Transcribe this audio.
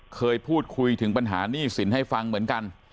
เคยพูดคุยถึงปัญหาหนี้สินให้ฟังเหมือนกัน